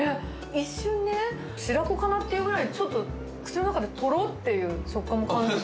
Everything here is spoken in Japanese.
一瞬ね、白子かなっていうくらい、ちょっと口の中でとろっていう食感も感じて。